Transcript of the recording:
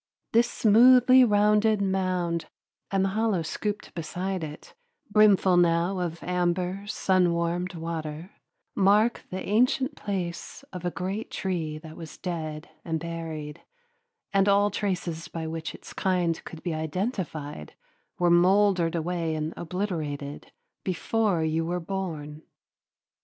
This smoothly rounded mound and the hollow scooped beside it, brimful now of amber, sun warmed water, mark the ancient place of a great tree that was dead and buried, and all traces by which its kind could be identified were mouldered away and obliterated, before you were born.